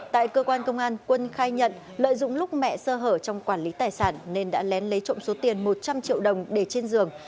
tại cơ quan công an quân khai nhận lợi dụng lúc mẹ sơ hở trong quản lý tài sản nên đã lén lấy trộm số tiền một trăm linh triệu đồng để trên giường